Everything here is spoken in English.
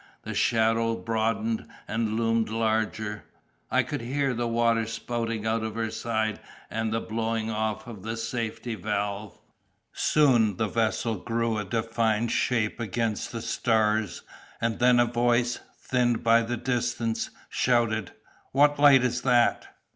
The shadow broadened and loomed larger. I could hear the water spouting out of her side and the blowing off of the safety valve. Soon the vessel grew a defined shape against the stars, and then a voice, thinned by the distance, shouted, "What light is that?"